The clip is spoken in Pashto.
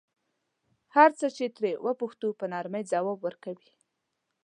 هر څه چې ترې وپوښتو په نرمۍ ځواب ورکوي.